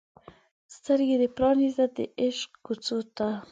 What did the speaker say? سترګې دې پرانیزه د عشق کوڅو ته